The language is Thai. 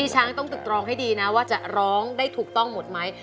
ช้างต้องตึกตรองให้ดีนะว่าจะร้องได้ถูกต้องหมดไหม